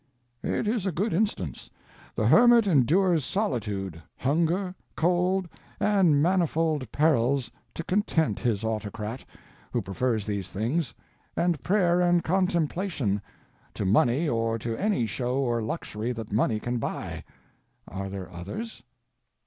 It is a good instance. The hermit endures solitude, hunger, cold, and manifold perils, to content his autocrat, who prefers these things, and prayer and contemplation, to money or to any show or luxury that money can buy. Are there others?